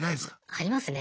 ありますね。